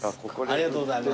ありがとうございます。